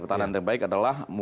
pertahanan yang terbaik adalah